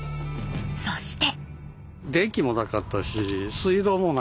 そして。